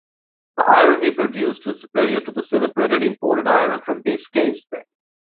The iron he produced was superior to the celebrated imported iron from Biscay, Spain.